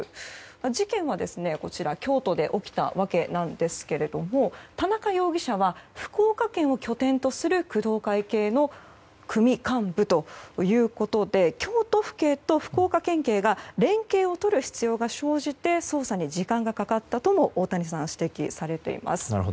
事件は京都で起きたわけなんですが田中容疑者は福岡県を拠点とする工藤会系の組幹部ということで京都府警と福岡県警が連携を取る必要が生じて捜査に時間がかかったとも大谷さんは指摘されています。